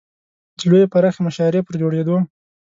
د لویې پراخې مشاعرې پر جوړېدو.